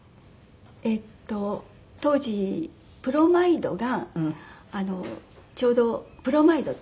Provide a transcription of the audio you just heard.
えっと当時ブロマイドがちょうどブロマイドって。